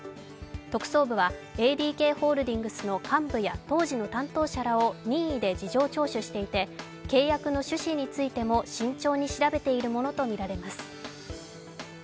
特捜部はＡＤＫホールディングスの幹部や当時の担当者らを任意で事情聴取していて契約の趣旨についても慎重に調べているものとみられます。